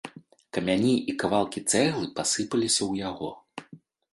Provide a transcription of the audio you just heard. Камяні і кавалкі цэглы пасыпаліся ў яго.